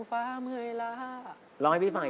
กลับมาฟังเพลง